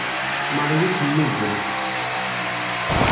Marie ad tennuddem.